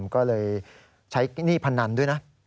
ก็เลยใช้หนี้พนันด้วยนะ